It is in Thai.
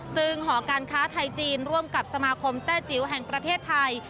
ซึ่งหอการค้าไทยจีนร่วมกับสมาคมแต้จิ๋วแห่งประเทศไทย